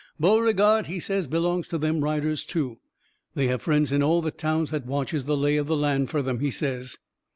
Beauregard, he says, belongs to them riders too; they have friends in all the towns that watches the lay of the land fur them, he says.